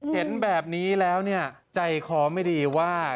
เห็นแบบนี้แล้วใจขอไม่ดีว่า